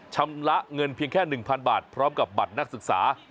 ชำระเงินเพียงแค่๑๐๐๐บาทพร้อมกับบัตรนักศึกษา